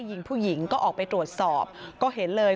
หญิงผู้หญิงก็ออกไปตรวจสอบก็เห็นเลย